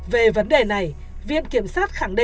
về vấn đề này viện kiểm soát khai nhận của bà trần thị hiền